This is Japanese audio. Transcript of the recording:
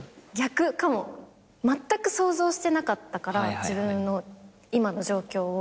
まったく想像してなかったから自分の今の状況を。